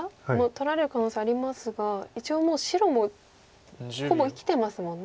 取られる可能性ありますが一応もう白もほぼ生きてますもんね